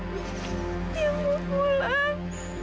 dia mau pulang